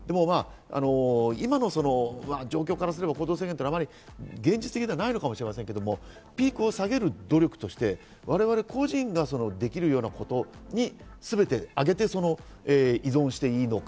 今の状況からすれば、行動制限というのは現実的ではないのかもしれませんけど、ピークを下げる努力として我々個人ができるようなことに全てあげて依存していいのか。